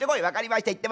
「分かりました